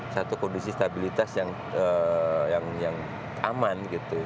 satu kondisi stabilitas yang aman gitu